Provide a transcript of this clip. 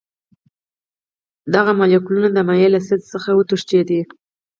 دغه مالیکولونه د مایع له سطحې څخه وتښتي.